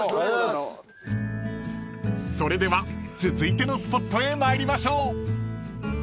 ［それでは続いてのスポットへ参りましょう］